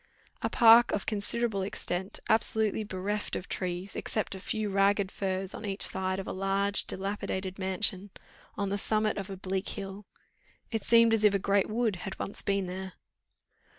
A park of considerable extent, absolutely bereft of trees, except a few ragged firs on each side of a large dilapidated mansion, on the summit of a bleak hill: it seemed as if a great wood had once been there.